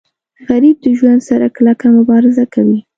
غریب د ژوند سره کلکه مبارزه کوي